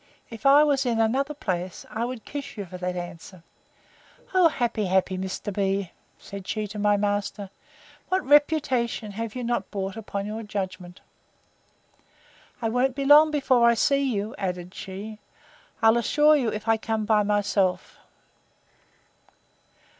If I was in another place, I would kiss you for that answer. Oh! happy, happy Mr. B——! said she to my master; what reputation have you not brought upon your judgment! I won't be long before I see you, added she, I'll assure you, if I come by myself.